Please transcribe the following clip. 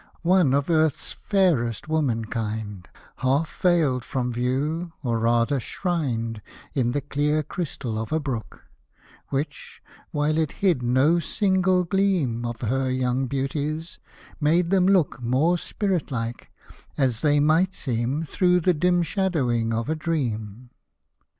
— One of earth's fairest womankind, Half veiled from view, or rather shrined In the clear crystal of a brook ; Which, while it hid no single gleam Of her young beauties, made them look More spirit like, as they might seem Through the dim shadowing of a dream.